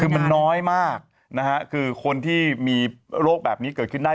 คือมันน้อยมากนะฮะคือคนที่มีโรคแบบนี้เกิดขึ้นได้